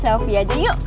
selfie aja yuk